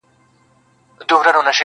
بېخبره مي هېر کړي نعمتونه٫